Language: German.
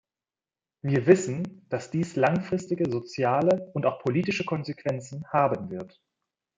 Wir wissen, dass dies langfristige soziale und auch politische Konsequenzen haben wird.